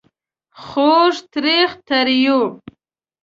خوږ .. تریخ ... تریو ...